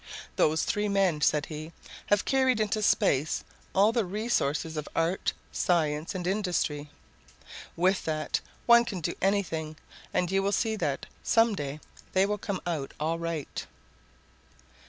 "Those three men," said he, "have carried into space all the resources of art, science, and industry. With that, one can do anything; and you will see that, some day, they will come out all right."